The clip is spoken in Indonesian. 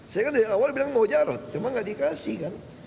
saya kan dari awal bilang mau jarod cuma nggak dikasih kan